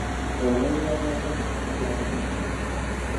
Olwo ne bye yali azannya nga takyabitegeera.